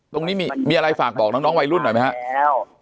ตรงนี้มีอะไรฝากบอกน้องวัยรุ่นหน่อยไหมครับ